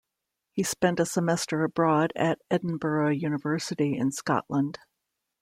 He spent a semester abroad at Edinburgh University in Scotland.